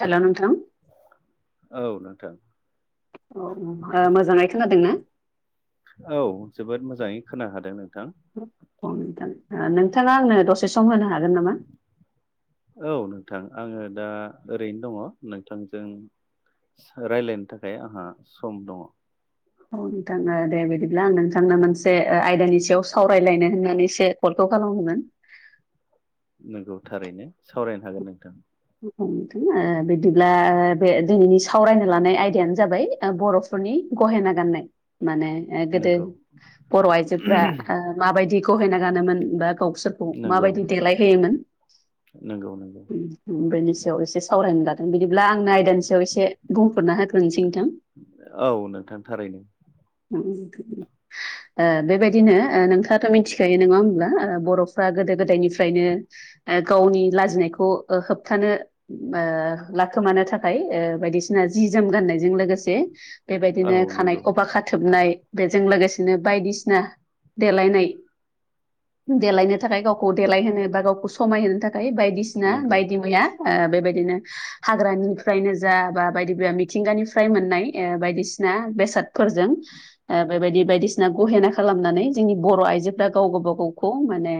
हेल' नोंथां? औ नोंथां। औ ओ मोजाङै खोनादों ना? औ जोबोद मोजाङै खोनाहादों नों औ नोंथां। ओ नोंथाङा आंनो दसे सम होनो हागोन नामा? औ नोंथां आङो दा ओरैनो दङ नोंथांजों रायलायनो थाखाय आंहा सम दङ। औ नोंथाङा दे बिदिब्ला आं नोंथांनो मोनसे आयदानि सायाव सावरायलायनो होननानैसो कलखौ खालामदोंमोन। नंगौ थारैनो सावरायनो हागोन नोंथां। औ नोंथां ओ बिदिब्ला बे दिनैनि सावरायनो लानाय आयदायानो जाबाय ओ बर'फोरनि गहेना गाननाय। माने ओ गोदो नंगौ बर' आइजोफ्रा ओ माबायदि गहेना गानोमोन बा गावसोरखौ नंगौ माबायदि देलाय होयोमोन नंगौ नंगौ उम बेनि सायाव एसे सावरायनो लादों बिदिब्ला आंनो आयदानि सायाव एसे बुंफोरना होग्रोनोसै नोंथां। औ नोंथां थारैनो। ओं नोंथां औ। ओ बेबायदिनो ओ नोंथाङाथ' मिथिखायो नङा होमब्ला ओ बर'फ्रा गोदो गोदायनिफ्रायनो ओ गावनि लाजिनायखौ होबथानो ओ लाखोमानो थाखाय ओ बायदिसिना जि जोम गाननायजों लोगोसे औ बेबायदिनो नंगौ खानायखौबा खाथोबनाय बे जों लोगोसेनो बायदिसिना देलायनाय देलायनो थाखाय गावखौ देलायहोनो बा गावखौ समायहोनो थाखाय बायदिसिना नंगौ बायदि ओ मैया बेबायदिनो हाग्रानिफ्रायनो जा बा बायदि मिथिंगानिफ्राय मोननाय ओ बायदि बायदिसिना बेसादफोरजों बेबायदि बायदिसिना गहेना खालामनानै जोंनि बर' आइजोफ्रा गाव गबागावखौ माने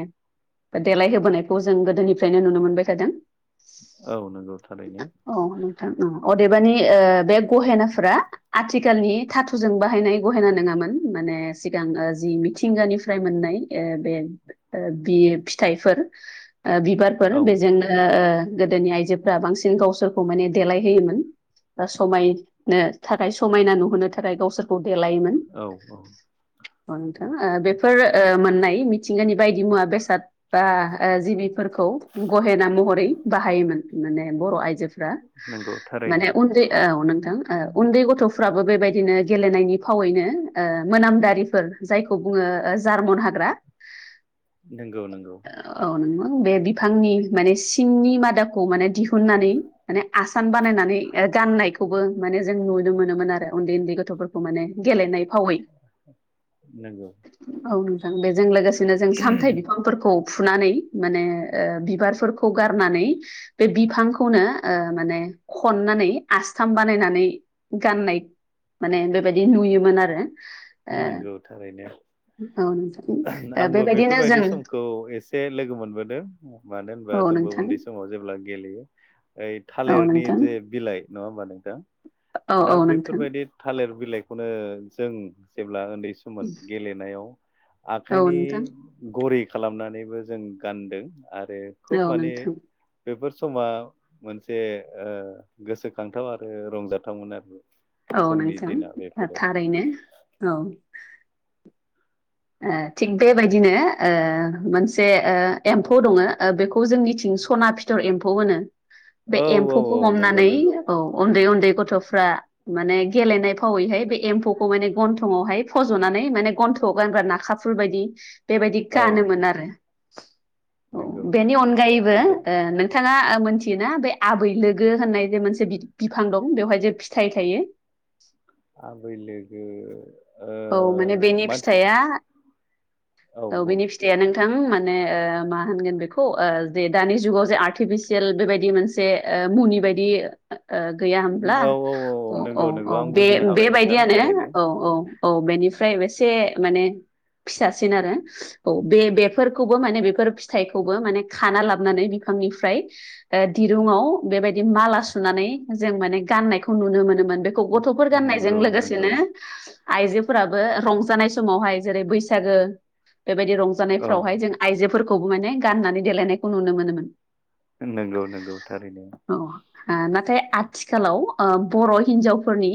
देलायहोबोनायखौ जों गोदोनिफ्रायनो नुनो मोनबाय थादों औ नंगौ थारैनो औ नोंथां अदेबानि ओ बे गहेनाफोरा आथिखालनि थाथुजों बाहायनाय गहेना नङामा -मोन माने सिगां जि मिथिंगानिफ्राय मोननाय बे बियो फिथाइ फोर ओ बिबारफोर औ बेजोंनो ओ गोदोनि आइजोफ्रा बांसिन गावसोरखौ माने देलायहोयोमोन दा समायनो थाखाय समायना नुहोनो थाखाय गावसोरखौ देलायोमोन औ औ औ नोंथां ओ बेफोर ओ मोन -नाय मिथिंगानि बायदि मुवा बेसाद बा ओ जिबिफोरखौ गहेना मुं महरै बाहायोमोन माने बर' आइजोफ्रा नंगौ थारैनो माने उन्दै औ उन्दै गथ'फ्राबो बेबायदिनो गेलेनायनि फावैनो ओ मोनामदारिफोर जायखौ बुंङो ओ जार्मन हाग्रा नंगौ नंगौ औ नोंथां बे बिफांनि माने सि सिंनि मादाखौ माने दिहुननानै माने आसान बानायनानै ओ गाननायखौबो माने जों नु नो मोनोमोन आरो उन्दै उन्दै गथ'फोर खौ माने गेलेनाय फावै नंगौ औ नोंथां बेजों लोगोसे बिदिनो जों सामथाय बिफांफोरखौ फुनानै माने ओ बिबार फोर खौ गारनानै बे बिफांखौनो ओ माने खननानै आसथाम बानायनानै गाननाय माने बेबादि नुयोमोन आरो ओ नंगौ थारैनो औ नोंथां ओ आंबो बेबायदिनो जों बेफोरबायदि समखौ एसे लोगो मोनबोदों मानो औ होनबा जोंबो नोंथां उन्दै समाव जेब्ला गेलेयो ओइ औ थालिरनि नोंथां जे बिलाइ नङा होमबा नोंथां औ औ दा नोंथां बेैफोरबायदि थालिर बिलाइखौनो जों जेब्ला उन्दै सममोन गेलेनायाव औ आखाइनि नोंथां घरि खालामनानैबो जों गानदों आरो खुब औ माने नोंथां बेफोर समा मोनसे ओ गोसोखांथाव आरो रंजाथावमोन आरो औ जोंनि दिना नोंथां बेफोरो थारैनो औ ए थिग बेबायदि बिदिनो ओ मोनसे ओ एम्फौ दंङ ओ बेखौ जोंनिथिं सना फिथर एम्फौ होनो बे औ औ एम्फौखौ औ नंगौ हमनानै नंगौ औ उन्दै उन्दै गथ'फ्रा माने गेलेनाय फावैहाय बे एम्फौखौ माने गन्थंआवहाय फज'नानै माने गन्थं गानग्रा नाखाफुल बायदि बेबायदि औ गानोमोन आरो औ नंगौ बेनि अनगायैबो ओ दा नोंथां नोंथांआ मोनथियोना बे आबै लोगो होननाय जे मोनसे बिदि बिफां दं बेवहाय जे फिथाइ थायो [unintelligible] आबै लोगो औ माने ओ बेनि मानसि फिथाइया औ बेनि फिथाइया नो नोंथां माने ओ मा होनगोन बेखौ ओ जे दानि जुगाव जे आर्टिफिसियेल बेबायदि मोनसे ओ मुनि बायदि ओओ गैया होमब्ला औ औ औ औ नंगौ नंगौ औ आं बे बुजिनो हाबाय नोंथां बेबायदियानो थारैनो औ औ औ बेनिफ्राय एसे माने फिसासिन आरो औ बे बेफोरखौबो माने बेफोर फिथाइखौबो माने खाना लाबोनानै बिफां निफ्राय दिरुंङाव बेबायदि माला सुनानै जों माने गाननायखौ नुनो मोनो बेखौ गथ'फोर गाननायजों नंगौ नंगौ लोगोसेनो आइजोफोराबो रंजानाय समावहाय जेरै बैसागो बेबायदि औ रंजानायफ्रावहाय जों आइजोफोरखौबो माने गाननानै देलायनायखौ नुनो मोनोमोन। नंगौ नंगौ थारैनो। औ नाथाय आथिखालाव ओ बर' हिनजावफोरनि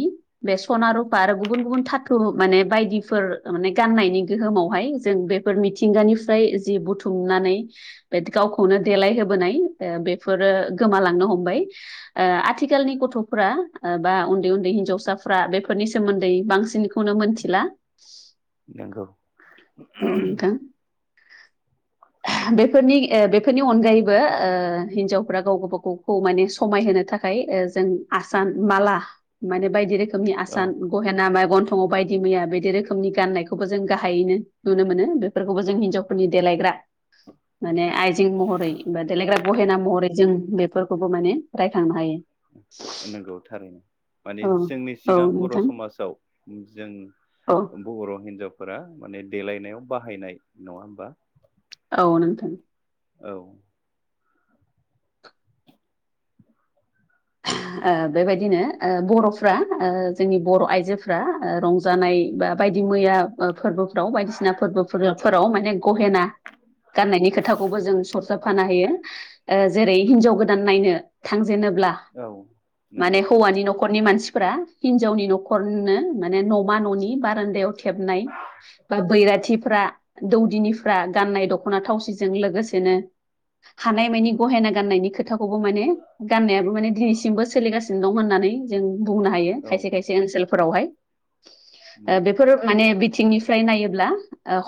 बे सना रुफा आरो गुबुन गुबुन था थु माने बायदिफोर माने गाननायनि गोहोमावहाय जों बेफोर मिथिंगानिफ्राय जि बुथुम नानै बेदि गावखौनो देलायहोबोनाय ओ बेफोरो गोमालांनो हमबाय। ओ आथिखालनि गथ'फ्रा ओ बा उन्दै उन्दै हिनजावसाफ्रा बेफोरनि सोमोन्दै बांसिन खौनो मोनथिला नंगौ औ नोंथां [inaudible] बेफोरनि ओ बेफोरनि अनगायैबो ओ हिनजावफ्रा गाव गावबा गावखौ माने समाय होनो थाखाय ओ जों आसान माला माने बायदि रोखोमनि औ आसान गहेना मेगन समाव बायदि मैया बेदि रोखोमनि गाननायखौबो जों गाहायैनो नुनो मोनो बेफोरखौबो जों हिनजावफोरनि देलायग्रा [inaudible] माने आइजें महरै बा देलायग्रा गहेना महरै जों बेफोरखौबो माने रायखांनो हायो। नंगौ थारैनो माने औ जोंनि औ सिगां बर' नोंथां समाजाव जों औ बर' हिनजावफोरा माने देलेनायाव बाहायनाय नङा होमबा औ नोंथां औ ओ बेबायदिनो ओ बर'फ्रा ओ जोंनि बर' आइजोफ्रा रंजानाय बायदि मैया फोरबोफ्राव बायदिसिना फोरबोफोराव माने गहेना गाननायनि खोथाखौबो जों सरजाबफानो हायो जेरै हिनजाव गोदान नायनो थांजेनोब्ला औ माने नंगौ हौवानि न'खर नखरनि मानसिफोरा हिनजावनि न'खरनो माने न'मा न'नि बारान्दायाव थेबनाय बा बैराथिफ्रा दौदिनिफ्रा गाननाय दख'ना थावसिजों लोगोसेनो हानाय मानि गहेना गाननायनि खोथाखौबो माने गाननायाबो माने दिनैसिम बो सोलिगासिनो दं होननानै जों बुंनो हायो औ खायसे खायसे ओनसोलफोरावहाय। नंगौ बेफोर माने बिथिंनिफ्राय नायोब्ला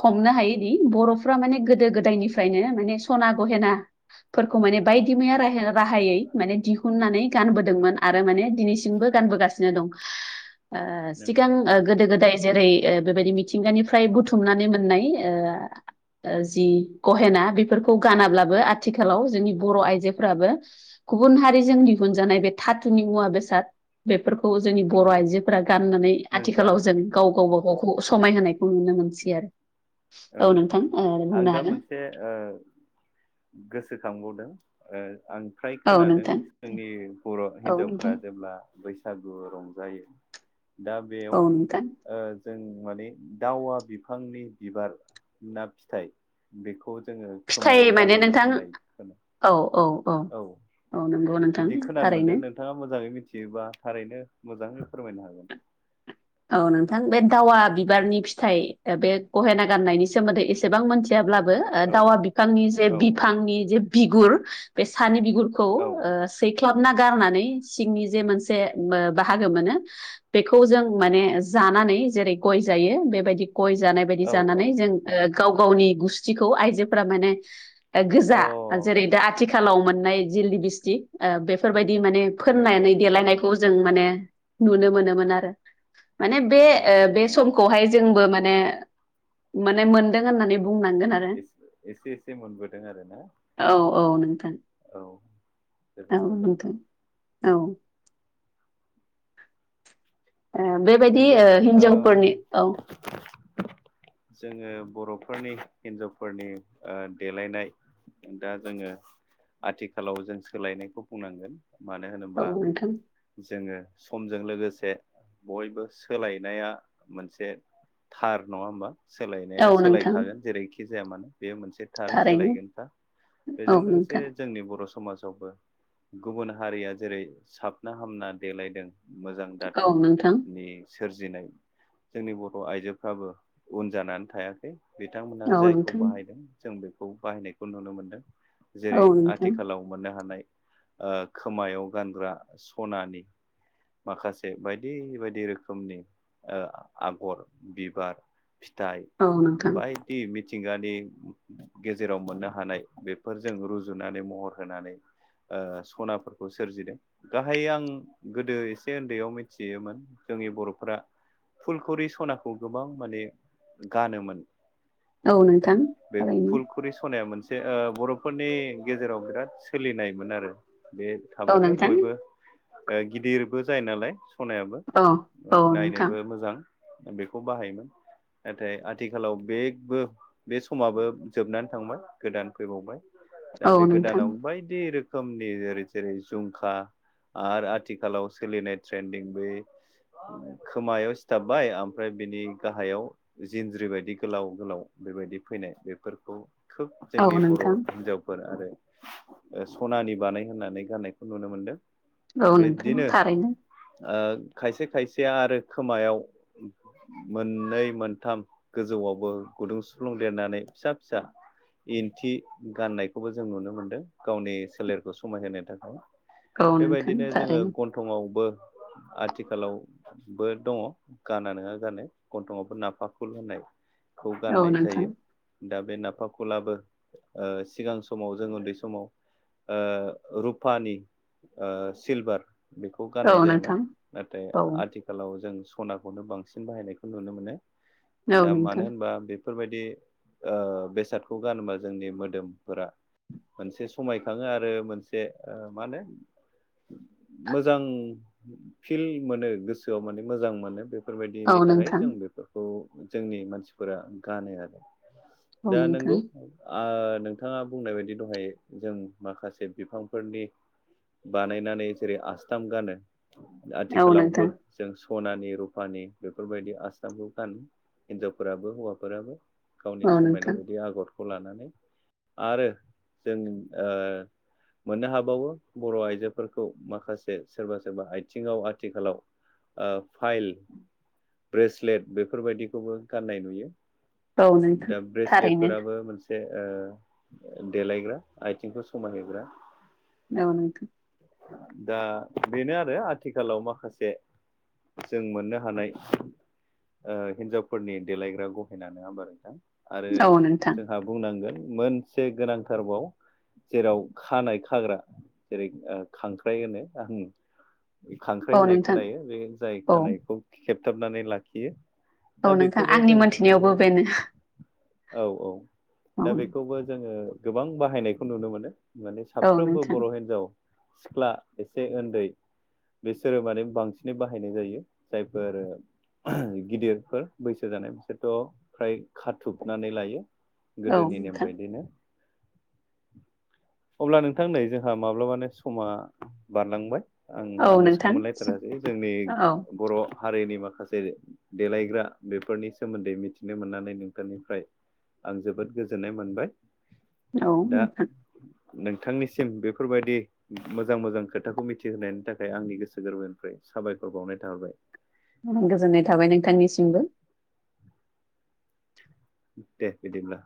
हमनो हायोदि बर'फ्रा माने गोदो गोदायनि फ्रायनो सना गहेनाफोरखौ माने बायदि मैया राहायै माने दिहुननानै गानबोदोंमोन आरो माने दिनैसिमबो गानबोगासिनो दं। ओ नंगौ सिगां गोदो गोदाय जेरै बेबायदि मिथिंगानिफ्राय बुथुमनानै मो नाय ओ जि गहेना बेफोरखौ गानाब्लाबो आथि खालाव जोंनि बर' आइजोफ्राबो गुबुन हारि जोंनि जानाय बे थाथुनि मुवा बेसाद बेफोर खौ जोंनि बर' नंगौ आइजोफोरा गाननानै नोंथां आथिखालाव जों गाव गावबा गाव समायहोनायखौ नुनो मोनसै आरो औ नोंथां ओ आं बुंनो दा हागोन मोनसे ओ गोसोखांबावदों ओं आमफ्राय औ खोनादों नोंथां जोंनि बर' औ हिन्जावफोरा नोंथां जेब्ला बैसागु रंजायो दा बेयाव ओ औ नोंथां जों माने दावा बिफांनि बिबार ना फिथाइ बेखौ जोङो खोमायाव फिथाइ माने गानोमोन नोंथां होननाय औ औ औ औ नंगौ नोंथां बिदि खोनानो मोनदों थारैनो नोंथाङा मोजाङै मिथियोबा थारैनो मोजां फोरमायनो हागोन। औ नोंथां बे दावा बिबारनि फिथाइ बे गहेना गान्नायनि सोमोन्दै एसेबां मोनथि ब्लाबो औ दावा बिफांनि जे औ बिफांनि जे बिगुर बे सानि बि गुरखौ ओ ख्लाबना गारनानै सिंनि जे मोनसे बाहागो मोनो बेखौ जों माने जानानै जेरै गय जायो बेबायदि गय जानाय बायदि औ जानानै औ जों ओ गाव गावनि गुस्थिखौ आइजोफोरा माने ओ अ गोजा जेरै दा आथिखाल लाव मोननाय जि लिबिस्थि ओ बेफोरबायदि माने नंगौ फोननानै नंगौ नंगौ देलायनायखौ जों माने नुनो मोनोमोन आरो। माने बे औ ओ बे समखौहाय आदसा जोंबो माने माने मोनदों होननानै बुंनांगोन आरो इस एसे एसे मोनबोदों आरो ना। औ औ नोंथां औ औ जोबोद मोजां नोंथां औ। बेबायदि नंगौ ओ हिन्जावफोरनि औ ओ जोङो बर' फोरनि हिनजावफोरनि ओ देलायनाय दा जोङो आथिखालाव जों सोलायनायखौ बुंनांगोन। मानो होनोबा औ नोंथां जोङो समजों लोगोसे बयबो सोलायनाया मोनसे थार। नङा होमबा? सोलायनाया औ नोंथां सोलायखागोन जेरैखि जाया मानो बे मोनसे थार थारैनो सोलायगोनखा। बेजों औ लोगोसे नोंथां जोंनि बर' समाज फोरावबो गुबुन हारिया जेरै साबना हामना देलायदों मोजां औ दाथु नोंथां नि सोरजिनाय जोंनि बर' आइजोफ्राबो उन जानानै थायाखै। बिथांमोना औ जायखौ नोंथां बाहायदों जों बेखौ बाहायनायखौ नुनो मोनदों। जेरै औ नोंथां आथिखालाव मोननो हानाय ओ खोमायाव गानग्रा सनानि माखासे बाय दि बायदि रोखोमनि ओ आगर बिबार फिथाइ औ नोंथां बायदि मि थिंगानि गेजेराव मोननो हानाय बेफोरजों रुजुनानै महर होनानै ओ सनाफोरखौ सोरजिदों। गाहायै आं गोदो एसे ओन्दैयाव मि थियोमोन जोंनि बर'फोरा फुलखरि सनाखौ गोबां माने गानोमोन। औ नोंथां थारैनो। फुलखुरि सनाया मोनसे बे ओ बर'फोरनि गेजेराव बिराद सोलिनायमोन आरो। बे औ थाबाथाय बयबो नोंथां ओ गिदिरबो जायो नालाय। सनायाबो औ ओ औ नोंथां नायनोबो मोजां बेखौ बाहायोमोन। नाथाय आथिखालाव बेगबो बे समाबो जोबनानै थांबाय गोदान फैबावबाय। दा औ बे नोंथां गोदानाव बायदि रोख खोमनि जै जेरै जुमखा आरो आथिखालाव सोलिनाय ट्रेन्दिं बै खोमायाव सिथाबबाय ओमफ्राय बिनि गाहायाव जिनज्रि बायदि गोलाव गोलाव बेबाय दि फैनाय बेफोरखौ खोब जोंनि औ बर' नोंथां हिनजावफोर आरो ओ सनानि बानाय होनानै गाननायखौ नुनो मोनदों। औ नोंथां बिदिनो थारैनो। ओ खायसे खायसेया आरो खोमायाव मोननै मोनथाम गोजौआवबो गुदुं सुफ्लुं देरनानै फिसा फिसा इन्थि गाननायखौबो जों नुनो मोनदों गावनि सोलेरखौ समायहोनो थाखाय। औ नोंथां बेबायदिनो जोङो थारैनो गन्थंआवबो आथिखालावबो दङ गाना नोङा गान गन्थंआवबो नाफा फुल होननाय। खौ औ गाननाय नोंथां जायो। दा बे नाफाखुलाबो ओ सिगां समाव जों उन्दै समाव ओ रुपानि ओ सिलभार बेखौ औ गाननाय जायोमोन नोंथां नाथाय औ आथिखालाव जों सनाखौनो बांसिन बाहायनायखौ नुनो मोनो। औ दा नोंथां मानो होमबा बे फोरबायदि ओ बेसादखौ गानोबा जोंनि मोदोमफोरा मोनसे समायखाङो आरो मोनसे ओ मा होनो मोजां फिल मोनो गोसोआव माने मोजां मोनो औ बेफोरबायदिनि थाखाय नोंथां जों बेफोरखौ जोंनि मानसिफोरा गानो आरो औ दा नोंथां नंगौ ओ नोंथाङा बुंनाय बायदि दहाय जों माखासे बिफांफोरनि बानायनानै जेरै- आसथाम गानो औ आथिखालावबो नोंथां जों सनानि रुफानि बेफोरबायदि आस्थामखौ गानो हिनजावफोराबो हौवाफोराबो गावनि औ समायनाय नोंथां बायदि आगरखौ लानानै। आरो जों ओ मोननो हाबावो बर' आइजोफोरखौ माखासे सोरबा सोरबा आथिङाव आथिखालाव ओ फाइल ब्रेसलेट बेफोरबायदिखौबो गाननाय नुयो औ नोंथां दा थारैनो ब्रेसलेटफोराबो मोनसे ओ देलायग्रा आथिंखौ समायहोग्रा औ नोंथां दा बेनो आरो आथिखालाव माखासे जों मोननो हानाय ओ हिनजावफोरनि देलायग्रा गहेना नङा होनबा नोंथां आरो औ नोंथां जोंहा बुंनांगोन मोनसे गोनांथारबाव जेराव खानाय खाग्रा जेरै खांख्राइ होनो आं खांख्राइ औ होननाय नोंथां खोनायो बे जाय औ खानायखौ खेबथाबनानै लाखियो दा औ नोंथां बेखौबो आंनि जों माने मोनथिनायावबो बेनो औ औ औ दा बेखौबो जोङो गोबां बाहायनायखौ नुनो मोनो माने औ साफ्रोमबो नोंथां बर' हिनजाव सिख्ला एसे उन्दै बिसोरो माने बांसिनै बाहायनाय जायो जायफोर गिदिरफोर बैसो जानाय बिसोरथ' फ्राय खाथुबनानै लायो औ गोदोनि नेम नोंथां बायदिनो अब्ला नोंथां नै जोंहा माब्लाबानो समा बारलांबाय। आं औ आन्दाजखौ नोंथां मोनलायथारासै जोंनि औ बर' हारिनि माखासे देलायग्रा बेफोरनि सोमोन्दै मिथिनो मोननानै नोंथांनिफ्राय आं जोबोद गोजोननाय मोनबाय औ दा नोंथां नोंथांनिसिम बेफोरबायदि मोजां मोजां खोथाखौ मिथिहोनायनि थाखाय आंनि गोसो गोरबोनिफ्राय साबायखर बावनाय थाबाय गोजोननाय थाबाय नोंथांनिसिमबो दे बिदिब्ला